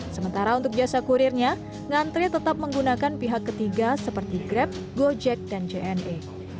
sementara untuk jasa kurirnya ngantri tetap menggunakan pihak ketiga seperti grab gojek dan jna